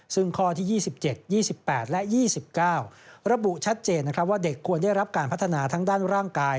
ซึ่งข้อที่๒๗๒๘และ๒๙ระบุชัดเจนว่าเด็กควรได้รับการพัฒนาทั้งด้านร่างกาย